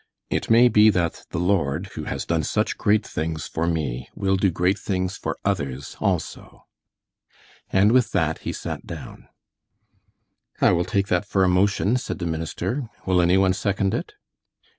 It may be that the Lord, who has done such great things for me, will do great things for others also." And with that he sat down. "I will take that for a motion," said the minister. "Will any one second it?"